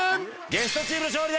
ゲストチームの勝利です。